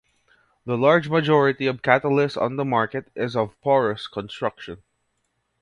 The large majority of catalyst on the market is of porous construction.